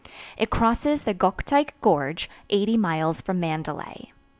It crosses the Gokteik gorge, eighty miles from Mandalay.